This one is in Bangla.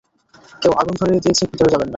কেউ আগুন ধরিয়ে দিয়েছে, ভিতরে যাবেন না।